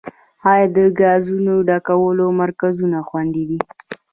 آیا د ګازو ډکولو مرکزونه خوندي دي؟